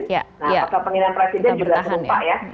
pasal penghinaan presiden juga terlupa ya